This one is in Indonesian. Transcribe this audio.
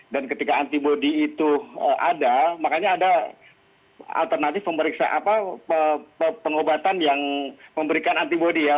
dan ketika antibody itu ada makanya ada alternatif pengobatan yang memberikan antibody ya